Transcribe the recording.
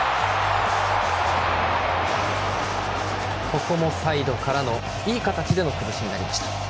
ここもサイドからのいい形での崩しになりました。